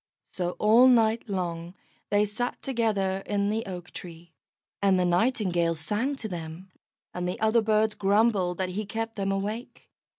So all night long they sat together in the oak tree, and the Nightingale sang to them, and the other birds grumbled that he kept them awake.